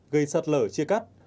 gây sạt lở chia cắt